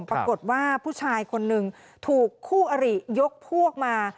ปรากฏว่าผู้ชายคนหนึ่งถูกคู่อริยกพวกมา